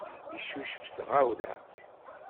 Yeccucef s tɣawla.